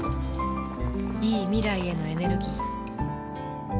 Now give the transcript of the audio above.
いい未来へのエネルギー